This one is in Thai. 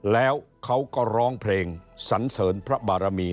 แล้วเขาก็ร้องเพลงสันเสริญพระบารมี